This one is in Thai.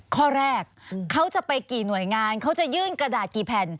ข้อแรกเขาจะไปกี่หน่วยงานเขาจะยื่นกระดาษกี่แผ่น